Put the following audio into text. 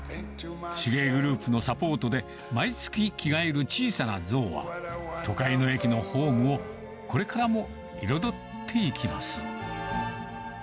手芸グループのサポートで、毎月着替える小さな像は、都会の駅のホームをこれからも彩っていきます。